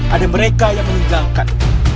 ada mereka yang meninggalkan